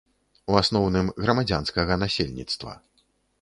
У асноўным грамадзянскага насельніцтва.